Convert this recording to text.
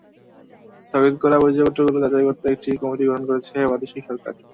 স্থগিত করা পরিচয়পত্রগুলো যাচাই করতে একটি কমিটি গঠন করেছে প্রাদেশিক সরকার।